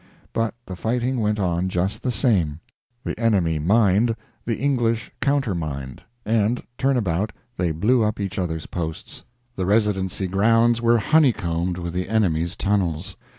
But the fighting went on just the same. The enemy mined, the English counter mined, and, turn about, they blew up each other's posts. The Residency grounds were honey combed with the enemy's tunnels.